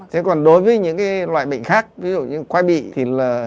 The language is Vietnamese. thế còn đối với những cái loại bệnh khác ví dụ như quay bị thì là